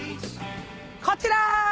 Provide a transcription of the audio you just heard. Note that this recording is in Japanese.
こちら！